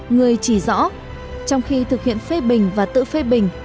người chỉ rõ trong khi thực hiện phê bình và tự phê bình